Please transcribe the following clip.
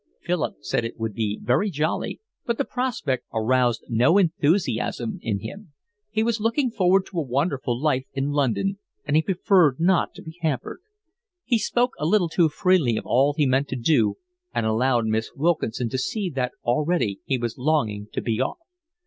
Philip said it would be very jolly, but the prospect aroused no enthusiasm in him; he was looking forward to a wonderful life in London, and he preferred not to be hampered. He spoke a little too freely of all he meant to do, and allowed Miss Wilkinson to see that already he was longing to be off.